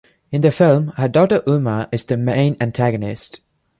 In the film, her daughter Uma is the main antagonist.